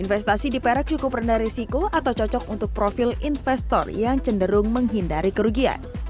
investasi di perak cukup rendah risiko atau cocok untuk profil investor yang cenderung menghindari kerugian